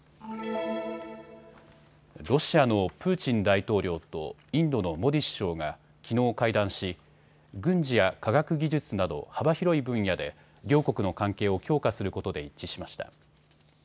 ロシアのプーチン大統領とインドのモディ首相がきのう会談し軍事や科学技術など幅広い分野で両国の関係を強化することで一致しました。